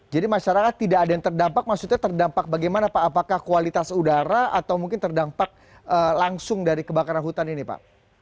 jadi masyarakat tidak ada yang terdampak maksudnya terdampak bagaimana pak apakah kualitas udara atau mungkin terdampak langsung dari kebakaran hutan ini pak